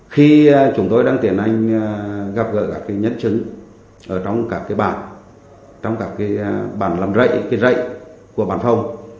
khi chúng tôi đang tiền anh gặp gợi các nhấn chứng trong các bản làm rậy của bàn phòng